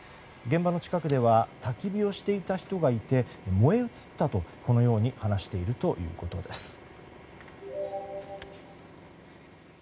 現場の近くではたき火をしていた人がいて燃え移ったと話しているということです。